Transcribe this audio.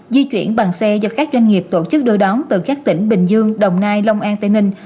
di chuyển bằng xe do các doanh nghiệp tổ chức đưa đón từ các tỉnh bình dương đồng nai long an tây ninh